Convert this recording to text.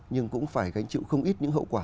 nhưng cũng phải gánh chịu không ít những hậu quả